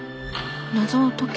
「謎を解け」。